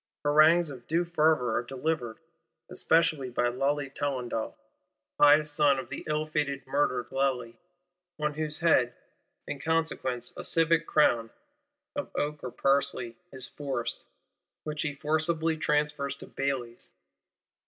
Harangues of due fervour are delivered; especially by Lally Tollendal, pious son of the ill fated murdered Lally; on whose head, in consequence, a civic crown (of oak or parsley) is forced,—which he forcibly transfers to Bailly's.